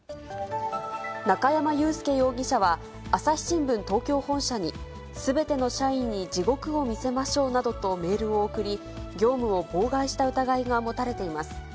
中山雄介容疑者は、朝日新聞東京本社に、すべての社員に地獄を見せましょうなどとメールを送り、業務を妨害した疑いが持たれています。